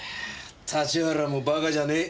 立原もバカじゃねえ。